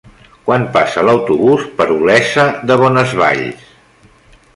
Quan passa l'autobús per Olesa de Bonesvalls?